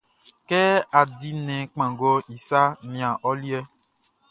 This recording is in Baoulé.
Kɛ á dí nnɛn kpanngɔʼn i saʼn, nian ɔ liɛʼn.